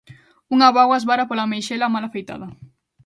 Unha bágoa esvara pola meixela mal afeitada.